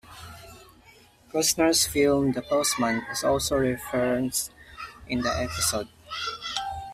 Costner's film "The Postman" is also referenced in the episode.